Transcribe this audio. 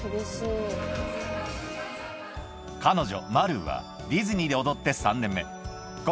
彼女マルーはディズニーで踊って３年目